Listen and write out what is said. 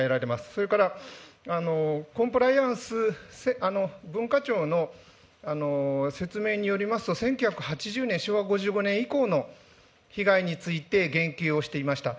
それから、コンプライアンス、文化庁の説明によりますと、１９８０年、昭和５５年以降の被害について、言及をしていました。